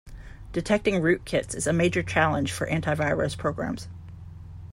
Detecting rootkits is a major challenge for anti-virus programs.